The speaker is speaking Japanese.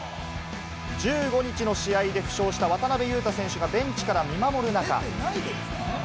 １５日の試合で負傷した渡邊雄太選手がベンチから見守る中。